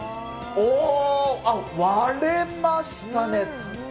おー、あっ、割れましたね。